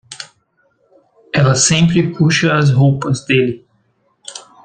Ela sempre puxa as roupas dele